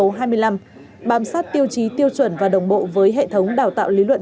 ban bí thư theo kết luận số hai mươi năm bám sát tiêu chí tiêu chuẩn và đồng bộ với hệ thống đào tạo lý luận